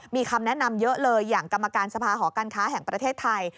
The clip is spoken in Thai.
มีคำแนะนำเยอะเลยอย่างกรรมการสภาหอการค้าแห่งประเทศไทย